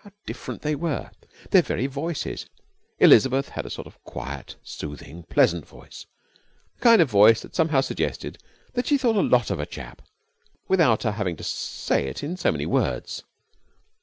How different they were! Their very voices Elizabeth had a sort of quiet, soothing, pleasant voice, the kind of voice that somehow suggested that she thought a lot of a chap without her having to say it in so many words.